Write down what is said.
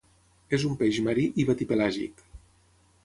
És un peix marí i batipelàgic.